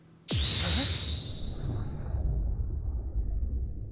えっ！